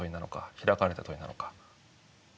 開かれた問いなのか？